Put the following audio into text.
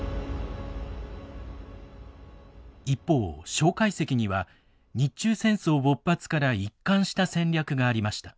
一方介石には日中戦争勃発から一貫した戦略がありました。